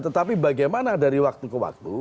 tetapi bagaimana dari waktu ke waktu